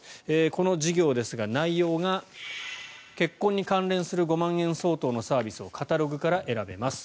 この事業ですが内容が結婚に関連する５万円相当のサービスをカタログから選べます。